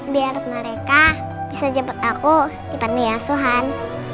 biar mereka bisa cepet aku di panti asuhan